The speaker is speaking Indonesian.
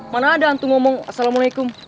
mana ada hantu ngomong assalamualaikum